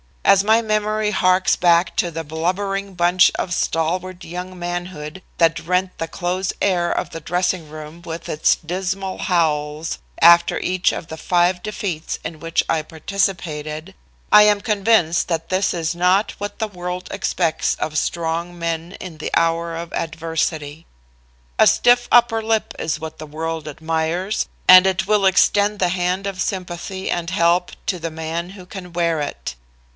"As my memory harks back to the blubbering bunch of stalwart young manhood that rent the close air of the dressing room with its dismal howls after each of the five defeats in which I participated, I am convinced that this is not what the world expects of strong men in the hour of adversity. "A stiff upper lip is what the world admires, and it will extend the hand of sympathy and help to the man who can wear it.